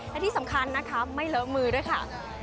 และที่สำคัญนะคะไม่เลอะมือด้วยค่ะ